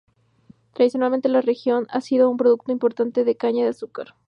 Tradicionalmente la región ha sido un productor importante de caña de azúcar.